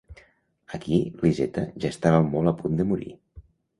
Aquí l'Izeta ja estava molt a punt de morir.